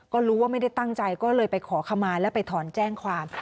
ก็รู้ว่าไม่ได้ตั้งใจก็เลยไปขอขมาแล้วไปถอนแจ้งความ